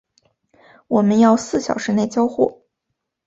我们要四小时内交货